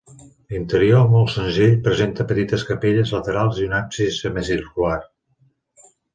L'interior, molt senzill, presenta petites capelles laterals i un absis semicircular.